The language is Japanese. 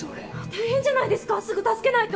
大変じゃないですかすぐ助けないと。